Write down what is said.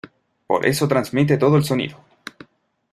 por eso transmite todo el sonido.